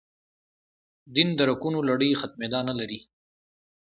دین درکونو لړۍ ختمېدا نه لري.